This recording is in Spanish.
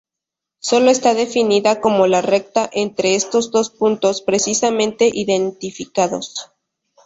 Solo está definida como la recta entre estos dos puntos precisamente identificados.